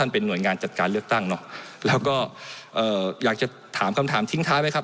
เป็นหน่วยงานจัดการเลือกตั้งเนอะแล้วก็เอ่ออยากจะถามคำถามทิ้งท้ายไว้ครับ